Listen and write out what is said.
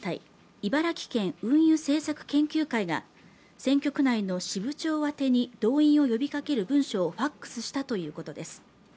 茨城県運輸政策研究会が選挙区内の支部長宛てに動員を呼び掛ける文書をＦＡＸしたということです。